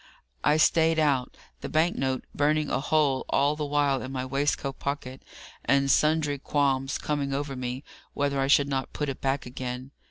I stayed out, the bank note burning a hole all the while in my waistcoat pocket, and sundry qualms coming over me whether I should not put it back again.